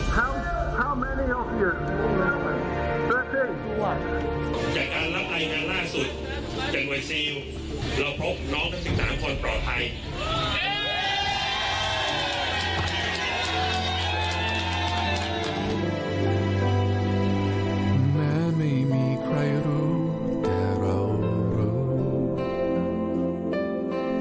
แต่ว่าแม่ไม่มีใครรู้แต่เรารู้